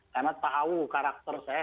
karena tahu karakter saya